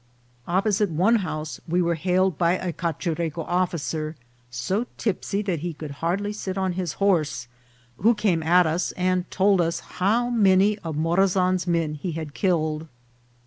Opposite one house we were hailed by a Cachureco of ficer, so tipsy that he could hardly sit on his horse, who came at us and told us how many of Morazan's men he had killed.